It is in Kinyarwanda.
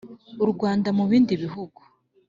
U Rwanda mu bindi bihugu